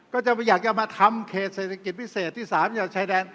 ก็จะอยากจะมาทำเขตเศรษฐกิจพิเศษที่๓จากชายแดน